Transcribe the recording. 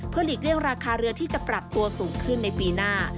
หลีกเลี่ยงราคาเรือที่จะปรับตัวสูงขึ้นในปีหน้า